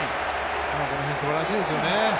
この辺、すばらしいですよね。